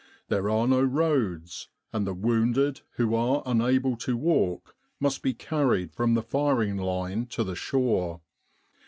There are no roads, and the wounded who are unable to walk must be carried from the firing line to the shore.